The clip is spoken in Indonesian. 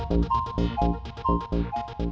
kayak make sense